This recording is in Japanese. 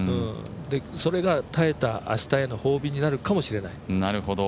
それが耐えた明日への褒美になるかもしれない。